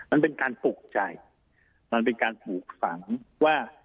มันเป็นการปลูกใจมันเป็นการปลูกฝังว่า